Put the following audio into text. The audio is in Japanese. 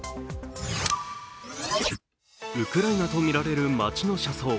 ウクライナとみられる町の車窓。